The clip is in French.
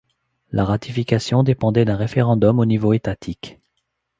La ratification dépendait d'un référendum au niveau étatique.